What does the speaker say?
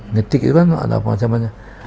ngetik itu kan ada apa macamnya